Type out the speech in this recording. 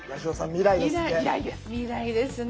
未来ですね。